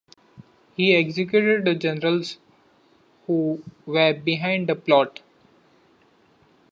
He executed the generals who were behind the plot.